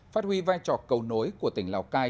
phát huy vai trò cầu nối của tỉnh lào cai